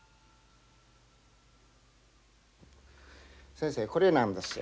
先生これなんですよ。